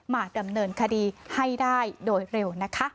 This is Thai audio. มาดำเนินคดีให้ได้โดยเร็วนะคะ